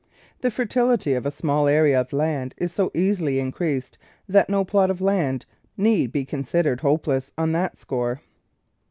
The fertility of a small area of land is so easily increased that no plot of land need be con sidered hopeless on that score.